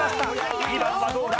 ２番はどうだ？